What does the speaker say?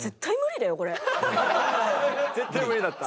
絶対無理だった？